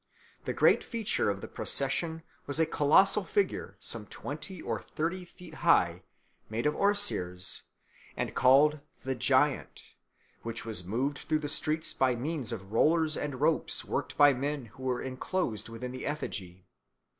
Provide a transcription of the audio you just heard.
The great feature of the procession was a colossal figure, some twenty or thirty feet high, made of osiers, and called "the giant," which was moved through the streets by means of rollers and ropes worked by men who were enclosed within the effigy.